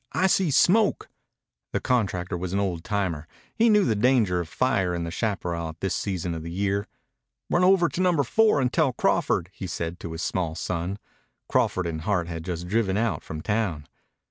I see smoke." The contractor was an old timer. He knew the danger of fire in the chaparral at this season of the year. "Run over to Number Four and tell Crawford," he said to his small son. Crawford and Hart had just driven out from town.